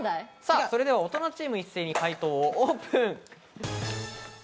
それでは大人チーム、一斉に解答をオープン。